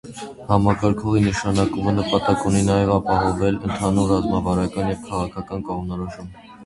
Համակարգողի նշանակումը նպատակ ունի նաև ապահովել ընդհանուր ռազմավարական և քաղաքական կողմնորոշում։